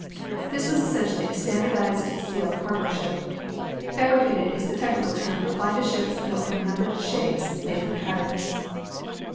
This was essentially a standardized steel cargo ship. "Fabricated" is the technical term applied to ships built from numbered shapes made from patterns.